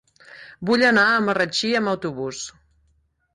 Vull anar a Marratxí amb autobús.